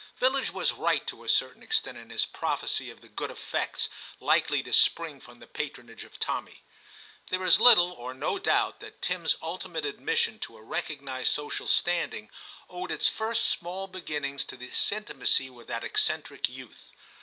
Villidge was right to a certain extent in his prophecy of the good effects likely to spring from the patronage of Tommy. There is little or no doubt that Tim's ultimate admission to a recognised social standing owed its first small beginnings to his intimacy with that eccentric youth.